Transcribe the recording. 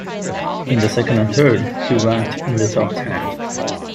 In the second and third he ranked in the top ten.